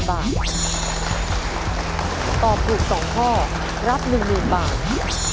ตอบถูก๒ข้อรับ๑๐๐๐บาท